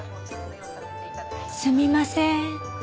すみません。